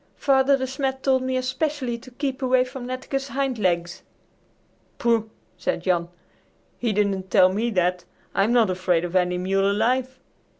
"Father De Smet told me especially to keep away from Netteke's hind legs." "Pooh!" said Jan; "he didn't tell me that. I'm not afraid of any mule alive.